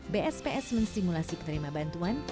bsps menstimulasi penerima bantuan